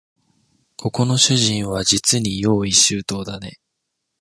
ここの主人はじつに用意周到だね